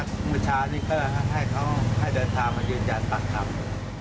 พ่อสุดท้ายก็ให้เขาให้เดินทางมายืนยานสับทำ